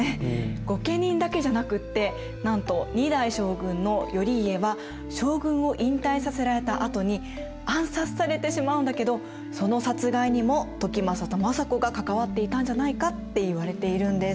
御家人だけじゃなくってなんと２代将軍の頼家は将軍を引退させられたあとに暗殺されてしまうんだけどその殺害にも時政と政子が関わっていたんじゃないかっていわれているんです。